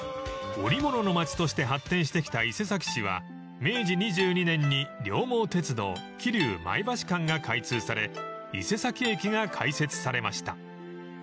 ［織物の町として発展してきた伊勢崎市は明治２２年に両毛鉄道桐生前橋間が開通され伊勢崎駅が開設されました］